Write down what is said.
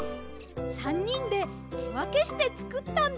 ３にんでてわけしてつくったんです。